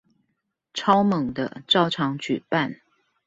超猛的照常舉辦